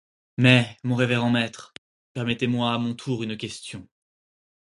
Mais, mon révérend maître, permettez-moi à mon tour une question.